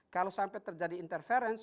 kalau sampai terjadi interference